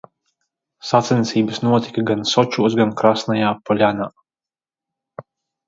Sacensības notika gan Sočos, gan Krasnajā Poļanā.